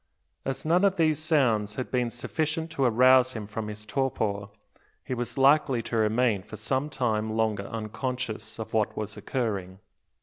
As none of these sounds had been sufficient to arouse him from his torpor, he was likely to remain for some time longer unconscious of what was occurring.